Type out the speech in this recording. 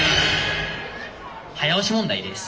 早押し問題です。